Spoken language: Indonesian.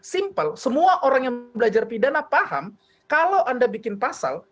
simpel semua orang yang belajar pidana paham kalau anda bikin pasal